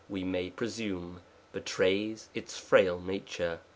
(we may presume) betrays its frail nature."